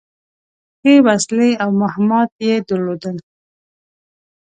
ښې وسلې او مهمات يې درلودل.